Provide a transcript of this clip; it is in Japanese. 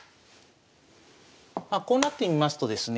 まあこうなってみますとですね